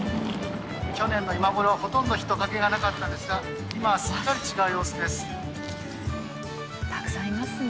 去年の今頃、ほとんど人影がなかったんですが今は、すっかり違う様子です。